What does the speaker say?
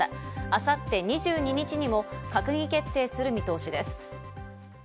明後日、２２日にも閣議決定する見通しです。